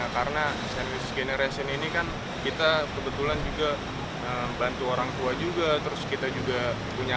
karena sandwich generation ini kan kita kebetulan juga bantu orang tua juga terus kita juga punya